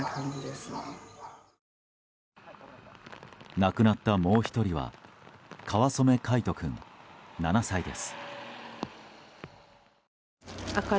亡くなったもう１人は川染凱仁君、７歳です。